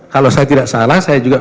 kalau saya tidak salah saya juga